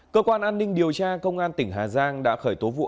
cơ quan an ninh điều tra công an tỉnh hà giang đã khởi tố vụ án